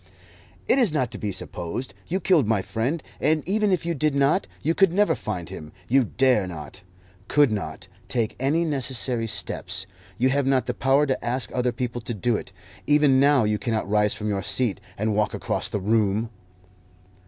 "It is not to be supposed. You killed my friend; and even if you did not, you could never find him. You dare not, could not, take any necessary steps. You have not the power to ask other people to do it. Even now you cannot rise from your seat and walk across the room."